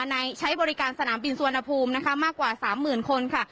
ในใช้บริการสนามบินสวนภูมินะคะมากกว่า๓๐๐๐๐คนค่ะ